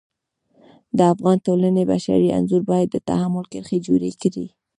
د افغاني ټولنې بشري انځور باید د تحمل کرښې جوړې کړي.